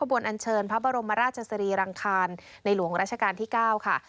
ริ้วควบวนอันเชิญผ้าบรมราชสรีรังคารในหลวงราชการที่เก่า